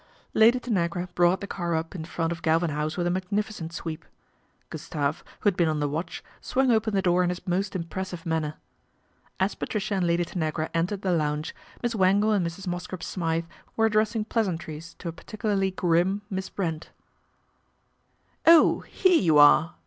Lady Tanagra brought the car up in front of Galvin House with a magnificent sweep. Gustave, who had been on the watch, swung open the door in his most impressive manner. As Patricia and Lady Tanagra entered the lounge, Miss Wangle and Mrs. Mosscrop Smythe were addressing pleasantries to a particularly grim Miss Brent. LADY TANAGRA TAKES A HAND 123 " Oh, here you are